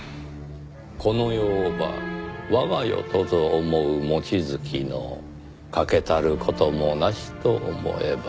「この世をば我が世とぞ思う望月の欠けたることもなしと思えば」。